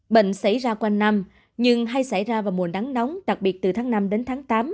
bệnh xảy ra quanh năm nhưng hay xảy ra vào mùa nắng nóng đặc biệt từ tháng năm đến tháng tám